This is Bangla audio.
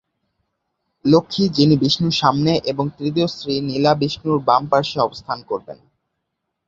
লক্ষ্মী যিনি বিষ্ণুর সামনে এবং তৃতীয় স্ত্রী নীলা বিষ্ণুর বাম পার্শ্বে অবস্থান করবেন।